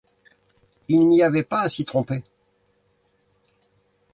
Il n’y avait pas à s’y tromper.